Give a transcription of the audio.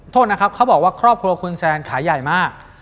โทษนะครับเขาบอกว่าครอบครัวคุณแซนขายใหญ่มาก